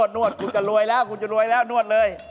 นวดกูจะรวยแล้วนวดเลย